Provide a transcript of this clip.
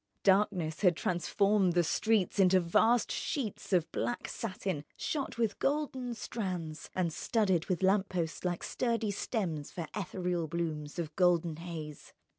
Darkness had transformed the streets into vast sheets of black satin shot with golden strands and studded with lamp posts like sturdy stems for ethereal blooms of golden haze.